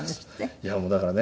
いやもうだからね